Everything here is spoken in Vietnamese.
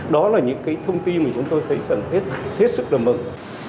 đó là những thông tin mà chúng tôi thấy rất là mừng